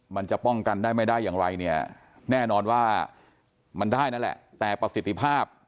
มันจะป้องกันได้ไม่ได้อย่างไรเนี่ยแน่นอนว่ามันได้นั่นแหละแต่ประสิทธิภาพ